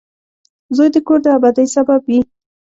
• زوی د کور د آبادۍ سبب وي.